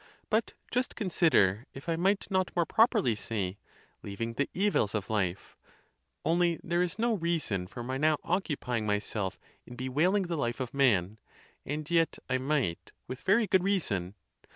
But just consider if I might not more properly say, leaving the evils of life; only there is no reason for my now occupying myself in bewailing the life of man, and yet I might, with very good reason.